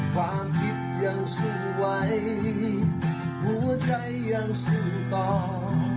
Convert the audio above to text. ความผิดยังซึ้งไวหัวใจยังซึ้งตอบ